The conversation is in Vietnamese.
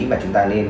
mà chúng ta nên